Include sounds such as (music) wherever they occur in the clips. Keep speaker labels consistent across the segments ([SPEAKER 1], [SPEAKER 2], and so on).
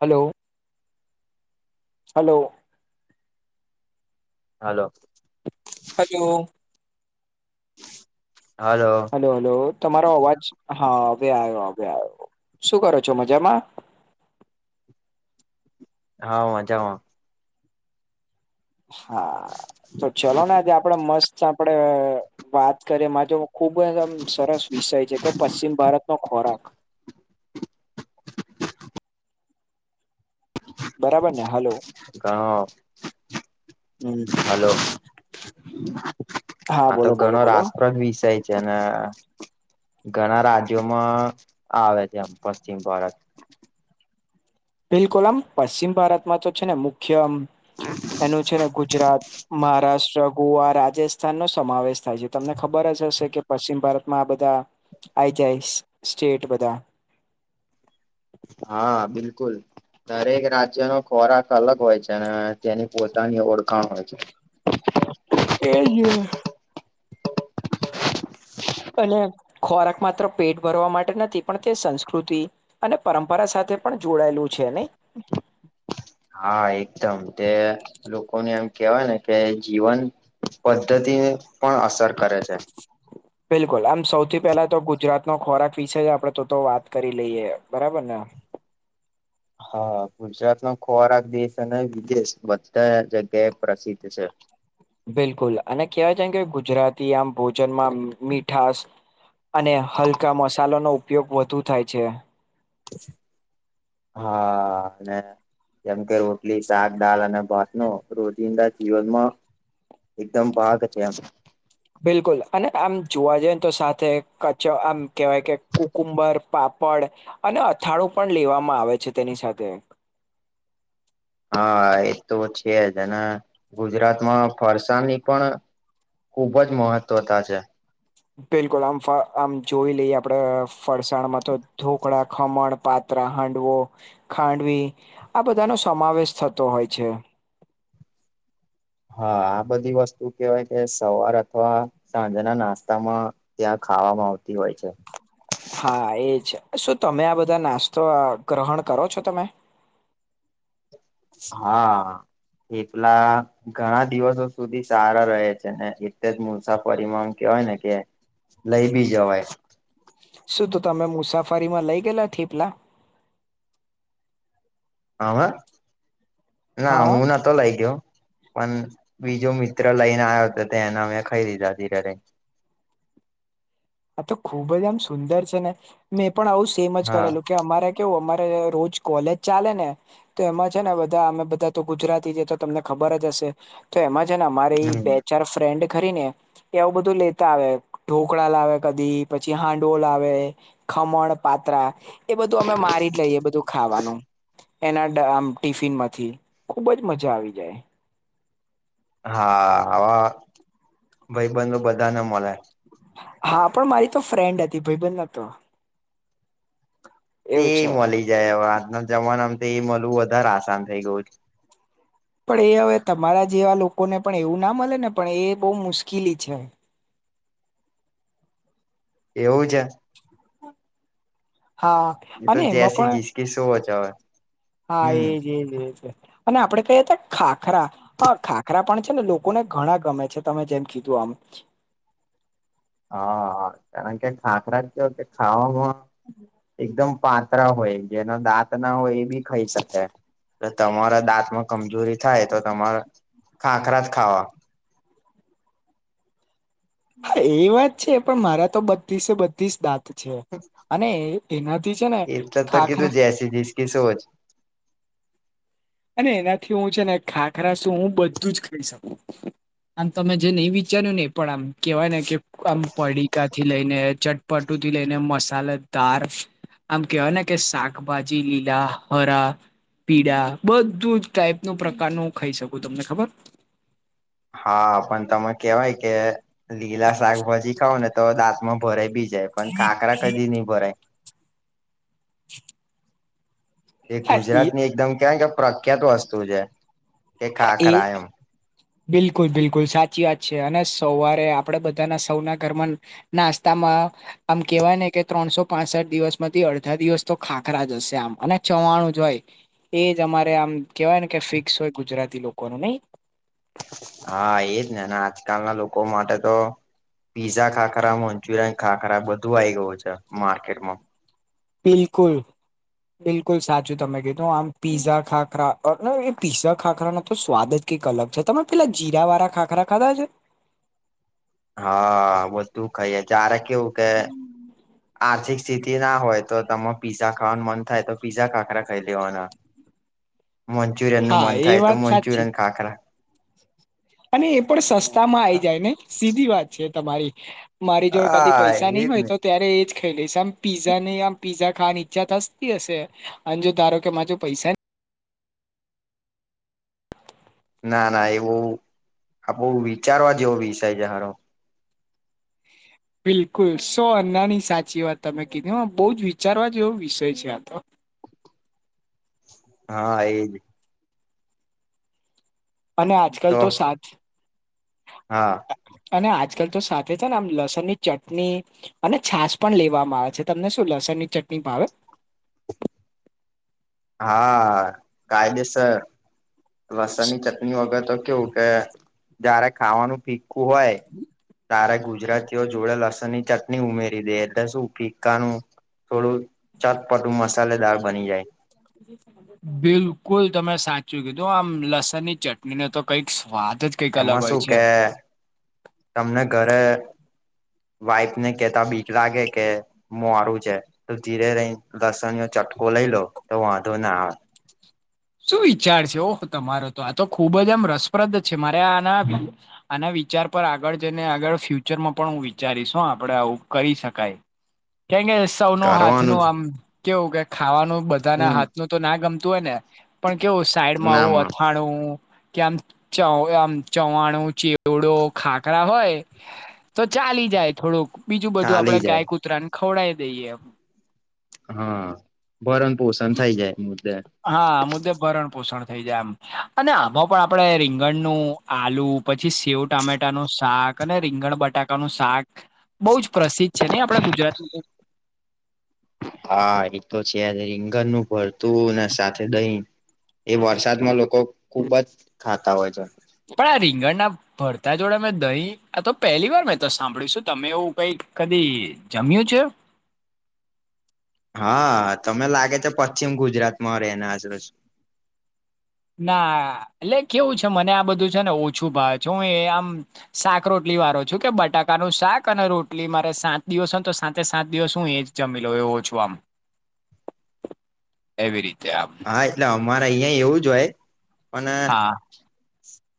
[SPEAKER 1] Hello. Hello.
[SPEAKER 2] Hello.
[SPEAKER 1] આ જુઓ.
[SPEAKER 2] Hello.
[SPEAKER 1] Hello hello તમારો અવાજ હા હવે આવ્યો હવે આવ્યો શું કરો છો મજામાં.
[SPEAKER 2] હા મજામાં.
[SPEAKER 1] હા તો ચલો ને આજે આપડે મસ્ત આપડે વાત કરી મા જો ખુબ જ આમ સરસ વિષય છે કે પશ્ચિમ ભારત નો ખોરાક બરાબર ને હલો
[SPEAKER 2] કણો
[SPEAKER 1] હમ
[SPEAKER 2] હાલો.
[SPEAKER 1] હા
[SPEAKER 2] આ તો
[SPEAKER 1] બોલો બોલો
[SPEAKER 2] ઘણો
[SPEAKER 1] બોલો
[SPEAKER 2] રાસપ્રદ વિષય જેના ઘણા રાજ્યોમાં આવે છે આમ પશ્ચિમ ભારત
[SPEAKER 1] બિલકુલ આમ પશ્ચિમ ભારતમાં તો છે ને મુખ્ય આમ એનું છે ને ગુજરાત મહારાષ્ટ્ર ગોવા રાજસ્થાન નો સમાવેશ થાય છે તમને ખબર જ હશે કે પશ્ચિમ ભારતમાં આ બધા આવી જાય સ્ટેટ બધા
[SPEAKER 2] હા બિલકુલ. દરેક રાજ્યનો ખોરાક અલગ હોય છે અને તેની પોતાની ઓળખાણ હોય છે.
[SPEAKER 1] એજ. અને ખોરાક માત્ર પેટ ભરવા માટે નથી પણ તે સંસ્કૃતિ. અને પરંપરા સાથે પણ જોડાયેલું છે ને.
[SPEAKER 2] હા એકદમ તે. લોકોને એમ કેહેવાય ને કે જીવન પદ્ધતિને પણ અસર કરે છે.
[SPEAKER 1] (unintelligible) બિલકુલ આમ સૌથી પેલા તો ગુજરાત ન ખોરાક વિશે આપડે તો વાત કરી લઈએ બરાબર ને.
[SPEAKER 2] હા ગુજરાત નો ખોરાક દેશ અને વિદેશ બધા જગ્યાએ પ્રસિદ્ધ છે.
[SPEAKER 1] બિલકુલ અને કહેવાય છેમ કે ગુજરાતી આમ ભોજનમાં મીઠાસ. અને હલકા મસાલો નો ઉપયોગ વધુ થાય છે.
[SPEAKER 2] હા અને. જેમ કે રોટલી શાક દાળ અને ભાત નો રોજિંદા જીવનમાં. એકદમ ભાગ છે એમ
[SPEAKER 1] બિલકુલ અને આમ જોવા જઈ ને તો સાથે કચો આમ કેહેવાય કે. કુંબર પાપડ અને અથાણું પણ લેવામાં આવે છે તેની સાથે.
[SPEAKER 2] હા એ તો છે જ અને ગુજરાતમાં ફરસાની પણ. ખુબ જ મહત્વતા છે.
[SPEAKER 1] બિલકુલ આમ આમ જોઈ લઈએ આપડે ફરસાણમાં તો ઢોકળા ખમણ પાત ત્રા હાંડવો ખાંડવી આ બધા નો સમાવેશ થતો હોય છે.
[SPEAKER 2] હા આ બધી વસ્તુ કેવાય કે સવાર અથવા સાંજાના નાસ્તામાં. ત્યાં ખાવામાં આવતી હોય છે.
[SPEAKER 1] હા એજ શું તમે આ બધા નાસ્તો ગ્રહણ કરો છો તમે.
[SPEAKER 2] હા એટલા. ઘણા દિવસો સુધી સારા રહે છે ને એટલે જ મુસાફરીમાંમ કેવાય ને કે. લઈ બી જવાય
[SPEAKER 1] શું તો તમે મુસાફરીમાં લઇ ગેલા થેપલા
[SPEAKER 2] હા હવે ના
[SPEAKER 1] હા
[SPEAKER 2] હું ના તો લઈ ગયો પણ બીજો મિત્ર લઈને આવ્યો હતો તે એને અમે ખાઈ દીધા ત્યારે
[SPEAKER 1] આ તો ખુબ જ આમ સુંદર છે ને મેં એ પણ આવું સેમ જ
[SPEAKER 2] હા
[SPEAKER 1] કરેલું કે અમારે કેવું અમારે રોજ કોલેજ ચાલે ને તો એમાં છે ને બધા અમે બધા તો ગુજરાતી છે તો તમને ખબર જ હશે તો એમાં છે ને અમારી
[SPEAKER 2] હમ
[SPEAKER 1] બે ચાર ફ્રેન્ડ કરી ને એવું બધું લેતા આવે ઢોકળા લાવે કદી પછી હાંડવોલ આવે ખમણ પાત્રા એ બધું અમે મારી જ લઈએ ું ખાવાનું એના આમ ટિફિન માંથી ખુબ જ મજા આવી જાય
[SPEAKER 2] હા આવા ભાઈબંધ બધાને મળે
[SPEAKER 1] હા પણ મારી તો ફ્રેન્ડ હતી ભાઈબન ના તો
[SPEAKER 2] તે મળી જાય હવે આજના જમાનામાં તો એ મળવું વધારે આસાન થઇ ગયું છે
[SPEAKER 1] પણ એ હવે તમારા જેવા લોકોને પણ એવું ના મળે ને પણ એ બહુ મુશ્કેલી છે
[SPEAKER 2] એવું છે
[SPEAKER 1] હા
[SPEAKER 2] એ તો
[SPEAKER 1] અને એમાં
[SPEAKER 2] જૈસી
[SPEAKER 1] પણ
[SPEAKER 2] જિસકી સોચ હવે
[SPEAKER 1] હા
[SPEAKER 2] હમ
[SPEAKER 1] એજજ અને આપડે કહીએ હતા ખાખરા હા ખાખરા પણ છે ને લોકોને ઘણા ગમે છે તમે જેમ કીધું આમ
[SPEAKER 2] હા હા કારણ કે ખાખરા કયો કે ખાવાનો
[SPEAKER 1] હમ
[SPEAKER 2] એકદમ પાતરા હોય જેનો દાંત ના હોય એ બી ખાઈ શકે તમારા દાંતમાં કમજોરી થાય તો તમારા ખાખરા જ ખાવા
[SPEAKER 1] હા એ વાત છે પણ મારા તો બત્તિસે બત્તિસ દાંત છે.
[SPEAKER 2] (unintelligible)
[SPEAKER 1] અનેય એનાથી છે ને
[SPEAKER 2] એટલેજ ત
[SPEAKER 1] ખાખરા
[SPEAKER 2] કીધું જેસી જીસકી સોચ
[SPEAKER 1] અને એનાથી હું છે ને ખાખરા શું હું બધું જ ખાઈ શકું. અન તમે જે નઈ વિચાર્યું ને એ પણ આમ કેવાય ને કે આમ પડીકાથી લઈને ચટપટું થી લઈને મસાલેદાર આમ કેવાય ને કે શાકભાજી લીલા હરા પીડા બધું જ ટાઈપ નું પ્રકાર નું હું ખાઈ શકું તમને ખબર
[SPEAKER 2] હા પન તમે કેવાય કે લીલા શાકભાજી ખાવને તો દાંતમાં ભરાય બીજ જાય પન ખાકરા કદી નઈ ભરાય એ ગુજરાતની એકદમ ક્યાં કે પ્રખ્યાત વસ્તુ છે એ ખાખરા એમ
[SPEAKER 1] બિલકુલ બિલકુલ સાચી વાત છે અને સવારે આપડે બધાના સૌના ઘરમાં નાસ્તામાં આમ કેવાય ને કે ત્રણસો પાસઠ દિવસમાંથી અડધા દિવસ તો ખાખરા જ હશે આમ અને ચવાણું જ હોય એ જ અમારે આમ કેવાય ને કે ફિક્સ હોય ગુજરાતી લોકો નું નઈ
[SPEAKER 2] હા એજ ને આજકાલના લોકો માટે તો પીઝા ખાખરા મંચુરિયન ખાખરા બધું આઇ ગયું છે માર્કેટમાં
[SPEAKER 1] બિલકુલ બિલકુલ સાચું તમે કીધું આમ પીઝા ખાખરા અન એ પીઝા ખાખરા નો તો સ્વાદ જ કીક અલગ છે તમે પેલા જીરા વારા ખાખરા ખાધા છે?
[SPEAKER 2] હા બધું ખાઈએ ચારે કેવું કે આર્થિક સ્થિતિ ના હોય તો તમે પીઝા ખાવાનું મન થાય તો પીઝા ખાખરા ખાઈ લેવાના
[SPEAKER 1] (inaudible)
[SPEAKER 2] મંચુરિયન નું
[SPEAKER 1] હા
[SPEAKER 2] મન
[SPEAKER 1] એ
[SPEAKER 2] થાય તો
[SPEAKER 1] વાત સાચી
[SPEAKER 2] મંચુરન ખાખરા
[SPEAKER 1] અને એ પણ સસ્તા માં આઈ જાય ને સીધી વાત છે તમારી મારી જોડ કદી
[SPEAKER 2] હા
[SPEAKER 1] પૈસા ની
[SPEAKER 2] એજ
[SPEAKER 1] હોય
[SPEAKER 2] ને
[SPEAKER 1] તો ત્યારે એ જ ખઈ લઈશ એમ પીઝા નય આમ પીઝા ખાવાની ઈછા થસતી હશે અને જો ધારો કે મા જો પૈસા
[SPEAKER 2] ના ના એ બોવ આપો વિચારવા જેવો વિષય છે હારો.
[SPEAKER 1] બિલકુલ સો અન્નાની સાચી વાત તમે કીધી હો બોઉ જ વિચારવા જેવો વિષય છે આ તો.
[SPEAKER 2] હા એજ
[SPEAKER 1] અને આજકલ તો સાથ
[SPEAKER 2] હા
[SPEAKER 1] અને આજકલ તો સાથે છે ને આમ લસનની ચટની અને છાસ પણ લેવામાં આવે છે તમને શું લસણ ની ચટની ભાવે
[SPEAKER 2] હા કાયદેસર લસણ ની ચટની વગર તો કેવું કે જારે ખાવાનું ભીખુ હોય તારે ગુજરાતીઓ જોડે લસનની ચટ ની ઉમેરી દેય એટલે શું ફિક્કાનું થોડું ચતપટું મસાલેદાર બની જાય.
[SPEAKER 1] બિલકુલ તમે સાચું કીધું આમ લસનની ચટની ને તો કઈક સ્વાદ જ કંઈક અલગ
[SPEAKER 2] એમાં
[SPEAKER 1] હોય
[SPEAKER 2] શું
[SPEAKER 1] છે
[SPEAKER 2] કે તમને ઘરે વાઈફ ને કેતા બીક લાગે કે મોરું છે તો ધીરે રઈન લસનનો ચટકો લઈ લો તો વાંધો ના આવે.
[SPEAKER 1] શું વિચાર છે ઓહ તમારો તો આ તો ખૂબ જ આમ રસપ્રદ છે મારે આના આના વિચાર પર આગળ જઈને આગળ ફ્યુચરમાં પણ હું વિચારીશું આપડે આવું કરી શકાય. કેંગેસ તઉનો હાથ
[SPEAKER 2] કરવાનું
[SPEAKER 1] નું
[SPEAKER 2] જ
[SPEAKER 1] આમ કેવું કે ખાવાનું બધાના
[SPEAKER 2] હમ
[SPEAKER 1] હાથ નું તો ના ગમતું હોય ને. પણ કેવું સાઈડમાં આવું
[SPEAKER 2] નામાં
[SPEAKER 1] અથાણું કે આમ ચ આમ ચવાણું ચેવડો ખાકરા હોય તો ચાલી જાય થોડુંક બીજું બધું
[SPEAKER 2] ચાલી
[SPEAKER 1] આપડે
[SPEAKER 2] જાય
[SPEAKER 1] ગાય કૂતરાને ખવડાય દઈએ એમ.
[SPEAKER 2] હા ભરણ પોષણ થઈ જાય મુદ્દે
[SPEAKER 1] હા આ મુદ્દે ભરણ પોષણ થઈ જાય એમ અને આમાં પણ આપડે રીંગણનું આલુ પછી સેવ ટામેટા નું શાક અને રીંગણ બટાકા નું શાક બહુ જ પ્રસિદ્ધ છે નહી આપણા ગુજરાતની અંદર
[SPEAKER 2] હા એ તો છેજે રીંગણનું ભરતું ને સાથે દહિ એ વરસાદમાં લોકો ખુબ જ ખાતા હોય છે.
[SPEAKER 1] પણ આ રીંગણ ના ભરતા જોડે મેં દહી આ તો પહેલી વાર મેં તો સાંભળ્યું શું તમે એવું કઈ કદી જમ્યું છે
[SPEAKER 2] હા તમે લાગે છે પશ્ચિમ ગુજરાતમાં રહેના છો
[SPEAKER 1] ના એટલે કેવું છે મને આ બધું છે ને ઓછું ભાવ છે હું એ આમ શાક રોટલી વાળો છું કે બટાકાનું શાક અને રોટલી મારે સાત દિવસ હોને તો સાતે સાત દિવસ હું એજ જમીલો એવ ઓછું આમ એવી રીતે આમ
[SPEAKER 2] હા એટલે અમારે અહિયાં એવું જ હોય પણ
[SPEAKER 1] હા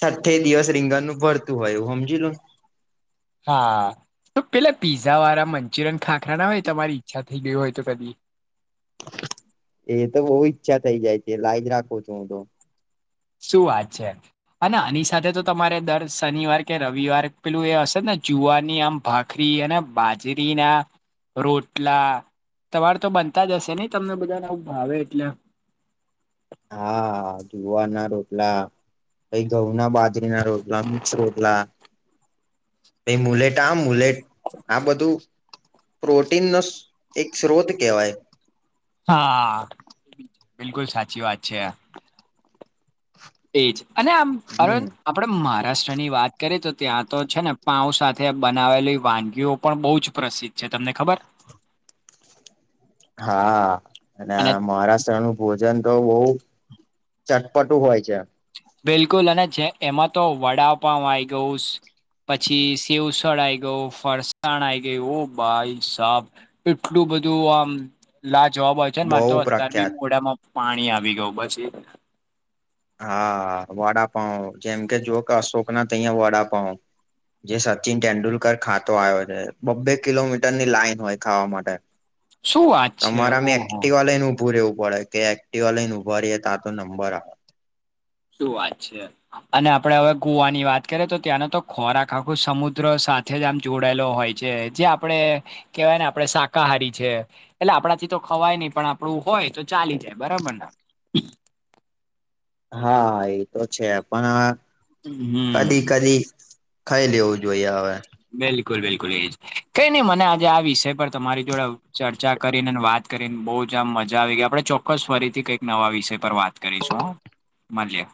[SPEAKER 2] સાઠ્ઠે દિવસ રીંગણનું ભરતું હોય એવું સમજી લો ને
[SPEAKER 1] હા તો પેલા પીઝા વાળા મંચુરિયન ખાખરા ના હોય તમારી ઈચ્છા થઈ ગય હોય તો કદી.
[SPEAKER 2] એ તો બહ ઈચ્છા થઇ જાય છે લાઈ જ રાખું છું હું તો.
[SPEAKER 1] શું વાત છે હા આની સાથે તો તમારે દર શનિવાર કે રવિવાર પેલું એ હશે ને જુવાની આમ ભા ખરી અને બાજરી ના રોટલા તમાર તો બનતા જ હશે નહ તમને બધાનેું ભાવે એટલે
[SPEAKER 2] હા જુવારના રોટલા પહિ ગઉં ના બાજરી ના રોટલા મિક્સ રોટલા મુલેટા મુલેટ આ બધું પ્રોટીન નો એક સ્ત્રોત કેહેવાય.
[SPEAKER 1] હા બિલકુલ સાચી વાત છે. એજ અને આમ અર
[SPEAKER 2] હમ
[SPEAKER 1] આપણેે મહારાષ્ટ્રની વાત કરીએ તો ત્યાં તો છે ને પાંઉ સાથે બનાવેલી વાનગીઓ પણ બહુ જ પ્રસિદ્ધ છે તમને ખબર
[SPEAKER 2] હા અને મહારાષ્ટ્રનું ભોજન તો બહુ ચટપટું હોય છે.
[SPEAKER 1] બિલકુલ અને જે એમાં તો વડા પાઉ આવી ગયુ પછી સેવ ઉસળ આઈ ગયું ફરસાણ આઈ ગયું ઓ ભાઈ સાબ એટલું બધું આમ લા જવાબ હોય છે ને
[SPEAKER 2] બહુ
[SPEAKER 1] મારે તો અત્યાર બી
[SPEAKER 2] પ્રખ્યાત
[SPEAKER 1] મોડામાં પાણી આવી ગયું પછી (unintelligible)
[SPEAKER 2] હા વડાપાવ જેમ કે જો કે અશોક ના તહીયા વડાપાવ જે સચિન તેંડુલકર ખાતો આવ્યો છે બબ્બે કિલોમીટર ની લાઈન હોય ખાવા માટે
[SPEAKER 1] શું વાત છે
[SPEAKER 2] તમારામે
[SPEAKER 1] ઓહો
[SPEAKER 2] એક્ટિવા લઈને ઉભું રહેવું પડે કે એક્ટવા લઈને ઉભા રઈએ તા તો નંબર આવે
[SPEAKER 1] શું વાત છે અને આપડે હવે ગોવાની વાત કરીએ તો ત્યાંનો તો ખોરાક આખો સમુદ્ર સા જમ જોડાયેલો હોય છે જે આપણે કેવાય ને આપડે શાકાહારી છે એટલે આપણા થી તો ખવાય નહી પણ આપડું હોય તો ચાલી જાય બરાબર
[SPEAKER 2] હા એ તો છે પણ કદી
[SPEAKER 1] હમ
[SPEAKER 2] કદી ખાઈ લેવું જોઈએ હવે
[SPEAKER 1] બિલકુલ બિલકુલ એજ કઈ નઈ મને આજે આ વિષય પર તમારી જોડે ચર્ચા કરીને વાત કરીને બહુ જ આમ મજા આવી ગઈ આપડે ચો ચક્કસ ફરીથી કંઈક નવા વિષય પર વાત કરીશું હ મળીએ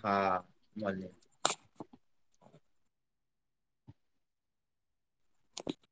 [SPEAKER 2] હા ભલે
[SPEAKER 1] (inaudible)